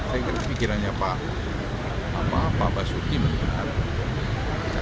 saya kira pikirannya pak pak basuki menurut saya